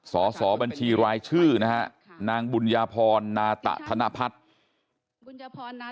สสบัญชีรายชื่อนางบุญญพรนาตาธนพัฒน์